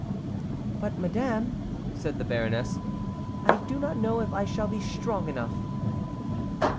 "But, madame," said the baroness, "I do not know if I shall be strong enough."